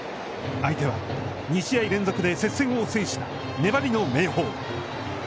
相手は、２試合連続で接戦を制した粘りの明豊。